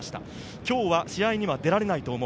今日は試合には出られないと思う。